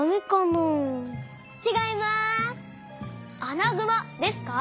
アナグマですか？